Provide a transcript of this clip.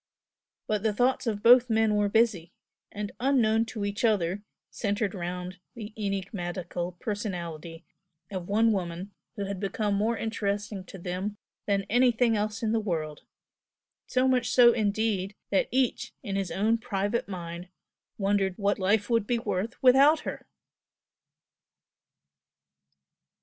But the thoughts of both men were busy; and unknown to each other, centered round the enigmatical personality of one woman who had become more interesting to them than anything else in the world, so much so indeed that each in his own private mind wondered what life would be worth without her!